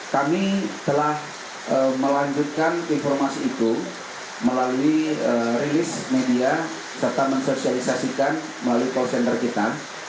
kami telah melanjutkan informasi itu melalui rilis media serta mensosialisasikan melalui call center kita